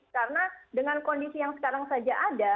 karena dengan kondisi yang sekarang saja ada